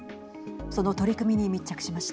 その取り組みに密着しました。